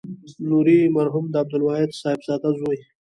نوري مرحوم د عبدالواحد صاحبزاده زوی.